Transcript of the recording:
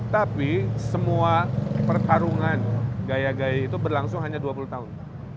tapi semua pertarungan gaya gaya itu berlangsung hanya dua puluh tahun